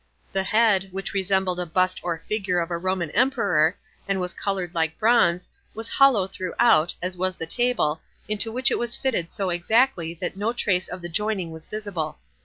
The head, which resembled a bust or figure of a Roman emperor, and was coloured like bronze, was hollow throughout, as was the table, into which it was fitted so exactly that no trace of the joining was visible.